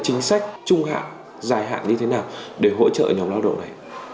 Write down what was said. chúng ta cần phải có những cái chính sách trung hạn dài hạn như thế nào để hỗ trợ nhóm lao động này